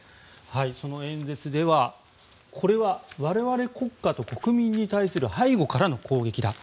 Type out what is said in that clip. その演説ではこれは我々国家と国民に対する背後からの攻撃だ。